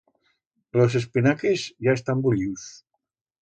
Los espinaques ya están bullius.